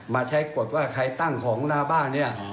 มาใช้กฎว่าใครตั้งของหน้าบ้านเนี่ย